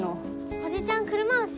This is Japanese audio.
おじちゃん車押し？